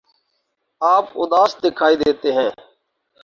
آپ اداس دکھائی دیتے ہیں